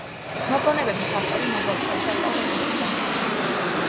მოგონებების ავტორი მოღვაწეობდა პოლონეთის რადიოში.